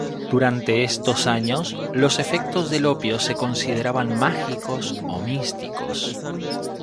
Durante estos años los efectos del opio se consideraban mágicos o místicos.